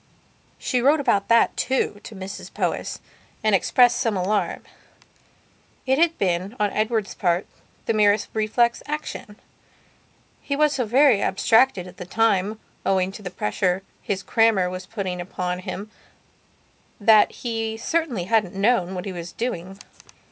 She wrote about that, too, to Mrs Powys, and expressed some alarm. It had been, on Edward's part, the merest reflex action. He was so very abstracted at that time owing to the pressure his crammer was putting upon him that he certainly hadn't known what he was doing.